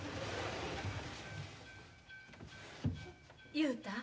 雄太。